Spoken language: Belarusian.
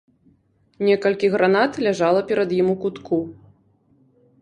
Некалькі гранат ляжала перад ім у кутку.